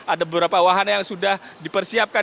ada beberapa wahana yang sudah dipersiapkan